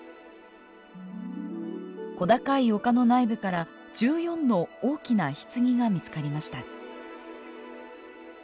小高い丘の内部から１４の大きな棺が見つかりました。